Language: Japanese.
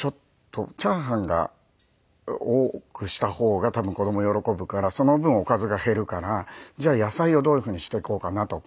チャーハンが多くした方が多分子供喜ぶからその分おかずが減るからじゃあ野菜をどういうふうにしていこうかなとか。